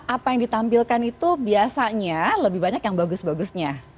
apa yang ditampilkan itu biasanya lebih banyak yang bagus bagusnya